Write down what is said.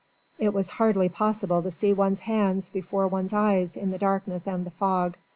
It was hardly possible to see one's hands before one's eyes in the darkness and the fog.